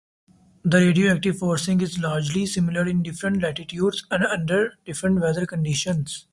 The radiative forcing is largely similar in different latitudes and under different weather conditions.